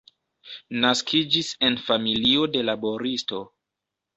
Naskiĝis en familio de laboristo.